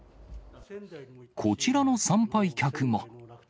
こちらの参拝客も。